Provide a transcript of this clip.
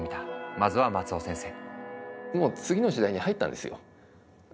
まずは松尾先生。